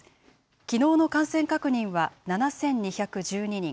きのうの感染確認は７２１２人。